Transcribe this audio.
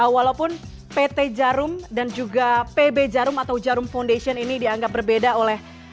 walaupun pt jarum dan juga pb jarum atau jarum foundation ini dianggap berbeda oleh